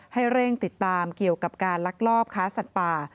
ให้เร่งติดตามเกี่ยวกับการลักลอบค้าสัตว์ป่า